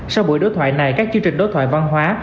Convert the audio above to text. sau buổi đối thoại này các chương trình đối thoại văn hóa